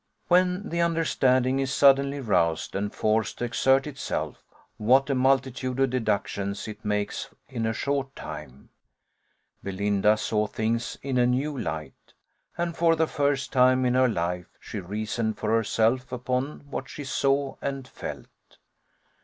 When the understanding is suddenly roused and forced to exert itself, what a multitude of deductions it makes in a short time! Belinda saw things in a new light; and for the first time in her life she reasoned for herself upon what she saw and felt.